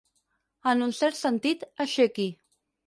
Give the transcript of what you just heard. En un cert sentit, aixequi.